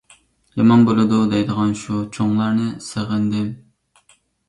«يامان بولىدۇ» دەيدىغان شۇ چوڭلارنى سېغىندىم.